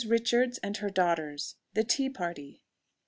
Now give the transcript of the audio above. RICHARDS AND HER DAUGHTERS. THE TEA PARTY.